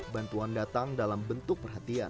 bantuan datang dalam bentuk perhatian